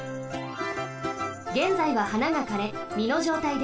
げんざいははながかれみのじょうたいです。